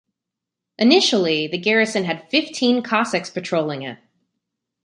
Initially the garrison had fifteen Cossacks patrolling it.